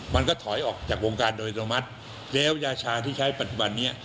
มันก็ถอยออกจากวงการโดยตรงมัติแล้วยาชาที่ใช้ปัจจุบันนี้